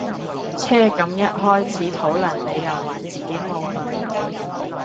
唓咁一開始討論你又話自己冇女